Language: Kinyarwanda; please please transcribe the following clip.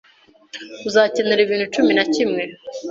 uzakenera ibintu cumi na kimwe: